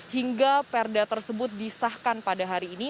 hingga perda tersebut disahkan pada hari ini